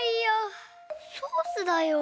ソースだよ。